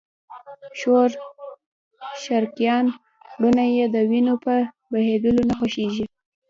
نور شرقیان وروڼه یې د وینو په بهېدلو نه خوږېږي.